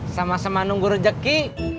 sama sama nunggu rejeki